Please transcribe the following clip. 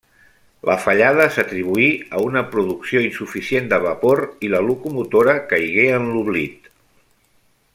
La fallada s'atribuí a una producció insuficient de vapor, i la locomotora caigué en l'oblit.